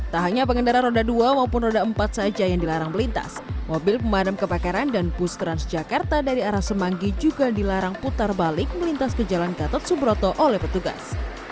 tak hanya pengendara roda dua maupun roda empat saja yang dilarang melintas mobil pemadam kebakaran dan bus transjakarta dari arah semanggi juga dilarang putar balik melintas ke jalan gatot subroto oleh petugas